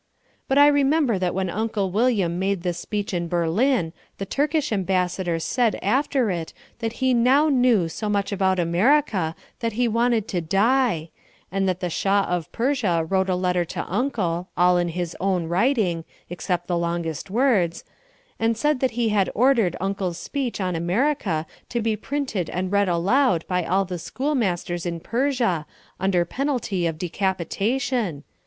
But I remember that when Uncle William made this speech in Berlin the Turkish ambassador said after it that he now knew so much about America that he wanted to die, and that the Shah of Persia wrote a letter to Uncle, all in his own writing, except the longest words, and said that he had ordered Uncle's speech on America to be printed and read aloud by all the schoolmasters in Persia under penalty of decapitation.